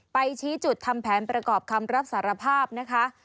ชี้จุดทำแผนประกอบคำรับสารภาพนะคะ